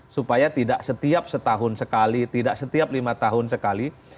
supaya tidak setiap setahun sekali tidak setiap lima tahun sekali